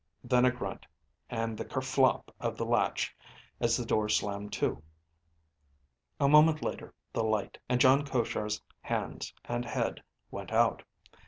Then a grunt, and the ker flop of the latch as the door slammed to. A moment later, the light, and John Koshar's hands and head, went out.